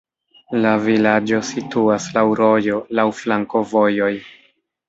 La vilaĝo situas laŭ rojo, laŭ flankovojoj.